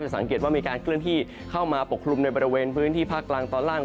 สังเกตว่ามีการเคลื่อนที่เข้ามาปกคลุมในบริเวณพื้นที่ภาคกลางตอนล่าง